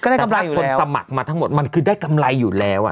ได้กำไรคนสมัครมาทั้งหมดมันคือได้กำไรอยู่แล้ว